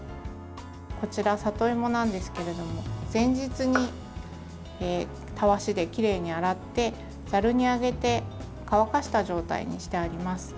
こちら、里芋なんですけど前日にたわしできれいに洗ってざるにあげて乾かした状態にしてあります。